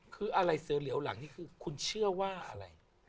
คืออะไรเสือเหลวหลังนี่คือคุณเชื่อว่าอะไร